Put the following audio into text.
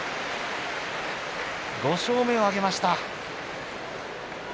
５勝目を挙げました。